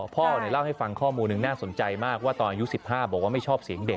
พ่อเล่าให้ฟังข้อมูลหนึ่งน่าสนใจมากว่าตอนอายุ๑๕บอกว่าไม่ชอบเสียงเด็ก